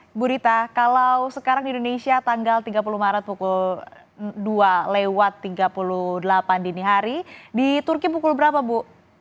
ibu rita kalau sekarang di indonesia tanggal tiga puluh maret pukul dua lewat tiga puluh delapan dini hari di turki pukul berapa bu